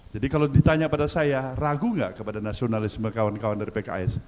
jadi kalau ditanya pada saya ragu gak kepada nasionalisme kawan kawan dari pki